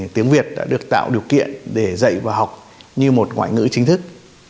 tiếng việt đã được tạo điều kiện để dạy và học như một ngoại ngữ chính thức